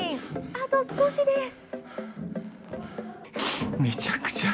あと少しです。